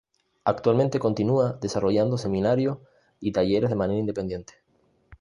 Actualmente continúa desarrollando seminarios y talleres de manera independiente.